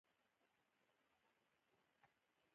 آیا د شپون نی د مینې ساز نه دی؟